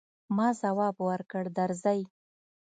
ما ځواب ورکړ، درځئ.